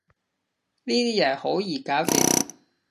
呢啲人好易搞掂